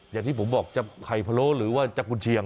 อย่างที่ผมบอกจะไข่พะโล้หรือว่าจะกุญเชียง